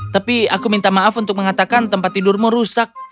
tapi aku minta maaf untuk mengatakan tempat tidurmu rusak